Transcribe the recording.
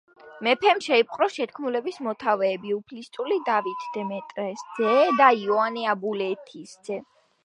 მეფემ შეიპყრო შეთქმულების მოთავეები: უფლისწული დავით დემეტრეს ძე და იოანე აბულეთისძე.